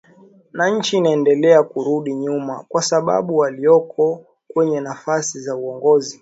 na nchi inaendelea kurudi nyuma kwa sababu walioko kwenye nafasi za uongozi